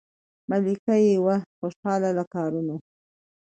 ملکه یې وه خوشاله له کارونو